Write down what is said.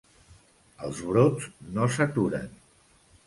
Els brots no s’aturen.